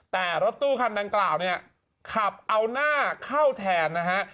แต่รถตู้คันดังกล่าวเนี่ยขับเอาหน้าเข้าแทนนะฮะ